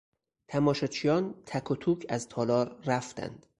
تماشاچیان تک و توک از تالار رفتند.